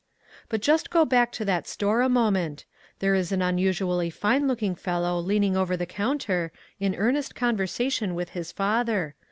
But just go back to that store a moment. There is an unusually fine looking fellow leaning over the counter, in earnest conver sation with his father.